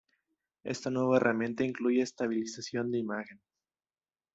Esta nueva herramienta incluye estabilización de imagen.